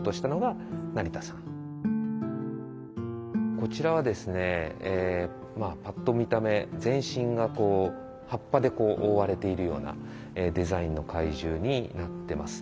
こちらはですねぱっと見た目全身が葉っぱで覆われているようなデザインの怪獣になってます。